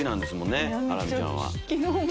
ハラミちゃんは。